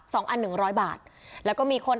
สองอัน๑๐๐บาทแล้วก็มีคน